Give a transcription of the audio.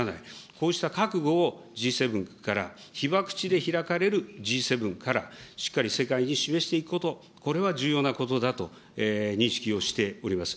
こうした覚悟をＧ７から、被爆地で開かれるＧ７から、しっかり世界に示していくこと、これを重要なことだと認識をしております。